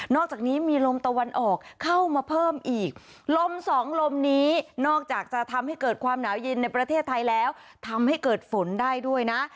อกจากนี้มีลมตะวันออกเข้ามาเพิ่มอีกลมสองลมนี้นอกจากจะทำให้เกิดความหนาวเย็นในประเทศไทยแล้วทำให้เกิดฝนได้ด้วยนะ